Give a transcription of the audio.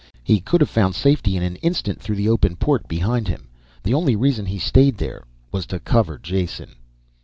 He could have found safety in an instant through the open port behind him. The only reason he stayed there was to cover Jason.